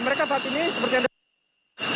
mereka saat ini seperti yang anda lihat